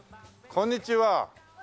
こんにちは。